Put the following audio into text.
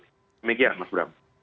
demikian mas bram